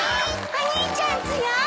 お兄ちゃん強い！